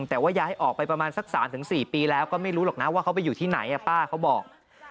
แต่ว่าย้ายออกไปประมาณสัก๓๔ปีแล้วก็ไม่รู้หรอกนะว่าเขาไปอยู่ที่ไหนป้าเขาบอก